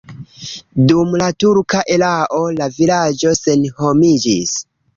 Dum la turka erao la vilaĝo senhomiĝis.